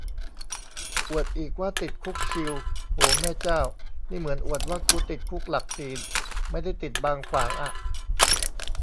อวดอีกว่าติดคุกชิล โหแม่เจ้า นี่เหมือนอวดว่ากูติดคุกหลักสี่ไม่ได้ติดบางขวางอะ